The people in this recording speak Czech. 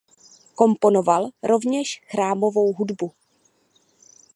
Komponoval rovněž chrámovou hudbu.